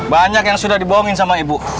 banyak yang sudah dibohongin sama ibu